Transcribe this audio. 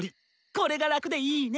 これが楽でいいネ！